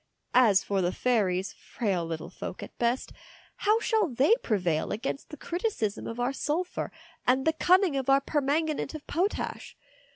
As for the fairies, frail little folk at best, how shall they prevail against the criticism of our sulphur and the cunning of our permanganate of potash?